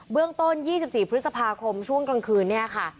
เรื่องต้น๒๔พฤษภาคมช่วงกลางคืนเนี่ยค่ะ